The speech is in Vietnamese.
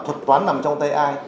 thuật toán nằm trong tay ai